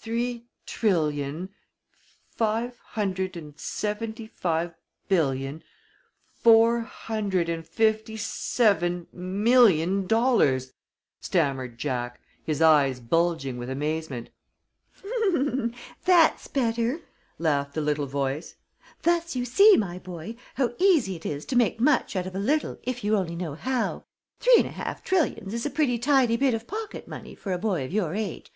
"Three trillion five hundred and seventy five billion four hundred and fifty seven million dollars," stammered Jack, his eyes bulging with amazement. "That's better," laughed the little voice. "Thus you see, my boy, how easy it is to make much out of a little if you only know how. Three and a half trillions is a pretty tidy bit of pocket money for a boy of your age.